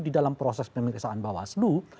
di dalam proses pemeriksaan bawah seluruh